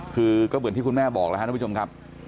คือก็เหมือนที่คุณแม่บอกแล้วครับทุกผู้ชมครับ